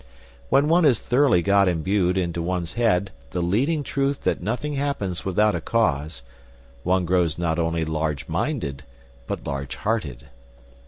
When one has thoroughly got imbued into one's head the leading truth that nothing happens without a cause, one grows not only large minded, but large hearted.